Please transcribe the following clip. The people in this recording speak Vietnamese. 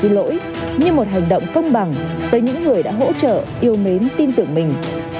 chỉ cần thay đổi tính mạnh vàente lại thì hành động công bằng tới những người đã hỗ trợ yêu mến tin tưởng mình